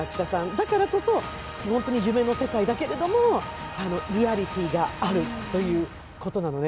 だからこそ夢の世界だけれどもリアリティーがあるということなのね。